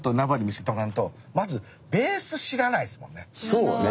そうね。